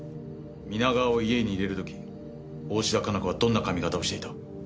皆川を家に入れる時大信田加奈子はどんな髪型をしていた？